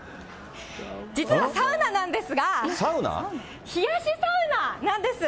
実はサウナなんですが、冷やしサウナなんです。